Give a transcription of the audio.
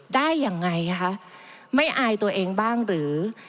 ได้ยังไงคะไม่อายตัวเองบ้างหรือ